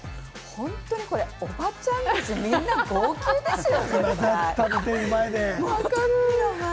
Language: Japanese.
本当に、おばちゃんたち、みんな号泣ですよ、絶対。